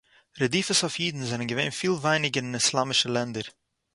רדיפות אויף אידן זענען געווען פיל ווייניגער אין איסלאַמישע לענדער